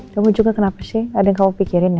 kamu juga kenapa sih ada yang kamu pikirin